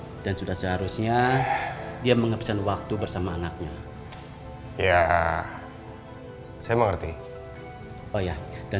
terima kasih dan sudah seharusnya dia menghabiskan waktu bersama anaknya ya saya mengerti oh ya dan